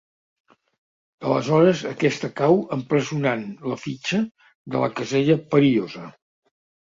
Aleshores aquesta cau empresonant la fitxa de la casella perillosa.